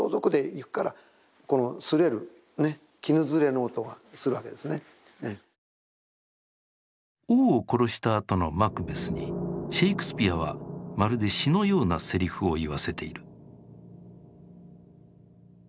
あんまりこうこのあれだとあんまり王を殺したあとのマクベスにシェイクスピアはまるで詩のようなセリフを言わせている。